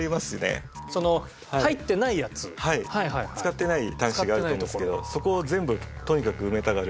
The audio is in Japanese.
使ってない端子があると思うんですけどそこを全部とにかく埋めたがる。